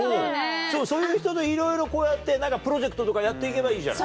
そういう人といろいろこうやってプロジェクトとかやって行けばいいじゃない。